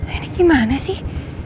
ini gimana sih